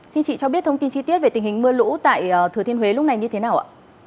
xin chị cho biết thông tin chi tiết về tình hình mưa lũ tại thừa thiên huế lúc này như thế nào ạ